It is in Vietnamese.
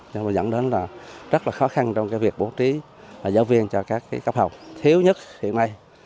nhưng mà dẫn đến là rất là khó khăn trong cái việc bố trí giáo viên cho các cấp học thiếu nhất hiện nay